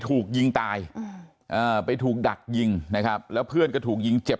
ถูกยิงตายไปถูกดักยิงนะครับแล้วเพื่อนก็ถูกยิงเจ็บ